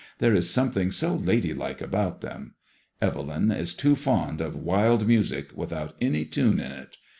''There is something so ladylike about them. Evelyn is too fond of wild music without any tune in it.